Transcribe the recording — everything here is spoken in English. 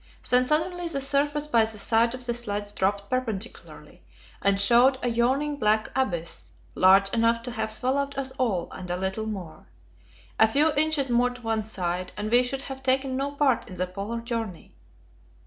Then suddenly the surface by the side of the sledge dropped perpendicularly, and showed a yawning black abyss, large enough to have swallowed us all, and a little more. A few inches more to one side, and we should have taken no part in the Polar journey.